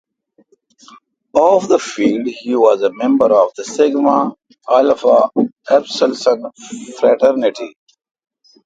Off the field, he was a member of the Sigma Alpha Epsilon fraternity.